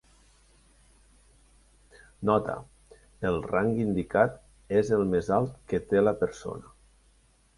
Nota: el rang indicat és el més alt que té la persona.